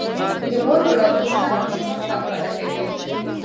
د مور په لارښوونه ماشومان سم وده کوي.